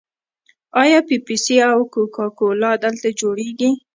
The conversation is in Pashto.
آیا پیپسي او کوکا کولا دلته جوړیږي؟